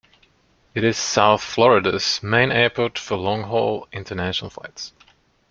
It is South Florida's main airport for long-haul international flights.